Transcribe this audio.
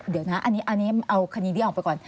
เดี๋ยวนะอันนี้เอาคดีนี้ออกไปก่อน